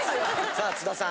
さあ津田さん